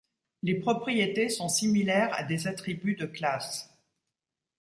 Les propriétés sont similaires à des attributs de classe.